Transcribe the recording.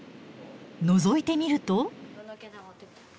のぞいてみると。